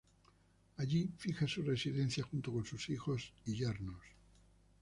Allí fija su residencia junto con sus hijos y yernos.